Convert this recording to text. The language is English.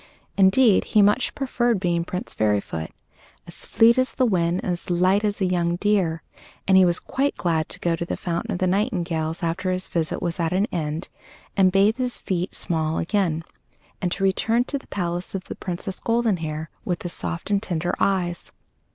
Indeed, he much preferred being Prince Fairyfoot, as fleet as the wind and as light as a young deer, and he was quite glad to go to the fountain of the nightingales after his visit was at an end, and bathe his feet small again, and to return to the palace of the Princess Goldenhair with the soft and tender eyes.